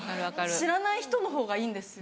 知らない人のほうがいいんですよ。